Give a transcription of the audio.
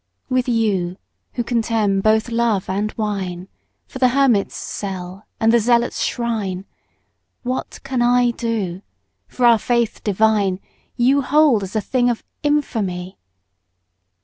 With you, who contemn both love and wine2 for the hermit's cell and the zealot's shrine, What can I do, for our Faith divine you hold as a thing of infamy?